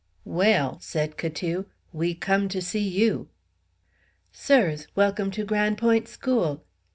"Well," said Catou, "we come to see you." "Sirs, welcome to Gran' Point' school.